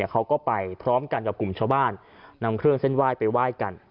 เขาก็ไปพร้อมกันกับกลุ่มชาวบ้านนำเครื่องเส้นไหว้ไปไหว้กัน